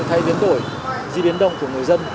thay biến đổi di biến động của người dân